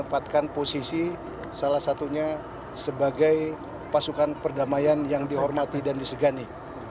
mendapatkan posisi salah satunya sebagai pasukan perdamaian yang dihormati dan disegani